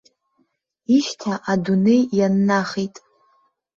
Ишьҭа адунеи ианнахит.